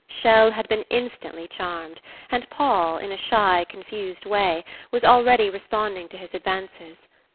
Chelles had been instantly charmed, and Paul, in a shy confused way, was already responding to his advances.